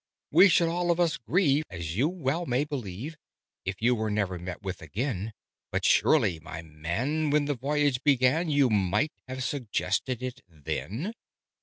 "We should all of us grieve, as you well may believe, If you never were met with again But surely, my man, when the voyage began, You might have suggested it then?